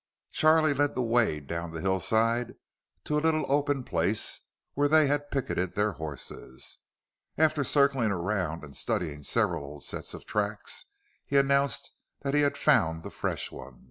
Charlie led the way down the hillside to a little open place where they had picketed their horses. After circling around and studying several old sets of tracks, he announced that he had found the fresh one.